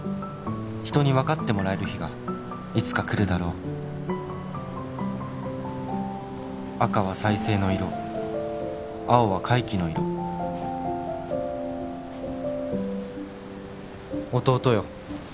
「人に分かってもらえる日がいつか来るだろう」「赤は再生の色」「青は回帰の色」「弟よ」